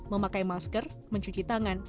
memakai masker mencuci tangan